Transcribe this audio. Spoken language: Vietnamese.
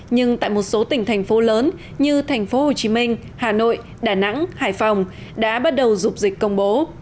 nhưng tại một số tỉnh thành phố lớn như thành phố hồ chí minh hà nội đà nẵng hải phòng đã bắt đầu dục dịch công bố